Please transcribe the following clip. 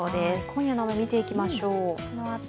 今夜の雨、みていきましょう。